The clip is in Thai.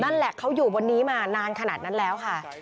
นั่นแหละเขาอยู่บนนี้มานานขนาดนั้นแล้วค่ะ